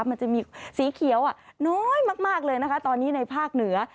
มันจะมีสีเขียวน้อยมากเลยนะคะตอนนี้ในภาคเหนือ